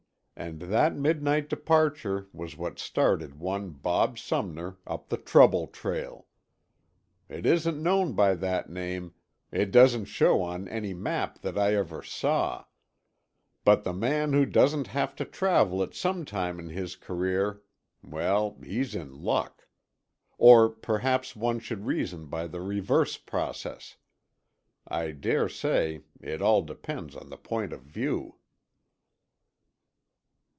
And that midnight departure was what started one Bob Sumner up the Trouble Trail. It isn't known by that name; it doesn't show on any map that ever I saw; but the man who doesn't have to travel it some time in his career—well, he's in luck. Or perhaps one should reason by the reverse process. I daresay it all depends on the point of view.